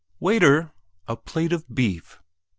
"Waiter, a plate of beef!"